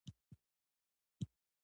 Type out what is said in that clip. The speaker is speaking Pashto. واخان خلک ولې مالدار دي؟